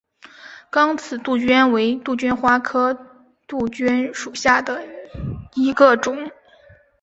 刚刺杜鹃为杜鹃花科杜鹃属下的一个种。